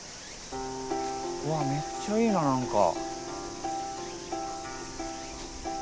うわめっちゃいいな何か。